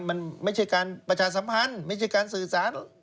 มันไม่ใช่การประชาสัมพันธ์ไม่ใช่การสื่อสาร